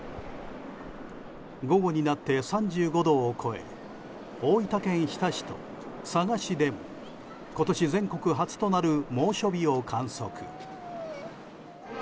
午後になって３５度を超え大分県日田市と佐賀市で今年全国初となる猛暑日を観測。